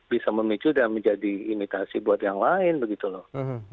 bisa memicu dan menjadi imitasi buat yang lain begitu loh